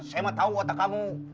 saya mah tahu otak kamu